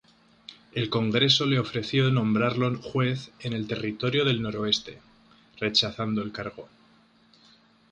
El Congreso le ofreció nombrarlo juez en el Territorio del Noroeste, rechazando el cargo.